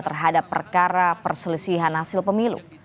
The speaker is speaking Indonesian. terhadap perkara perselisihan hasil pemilu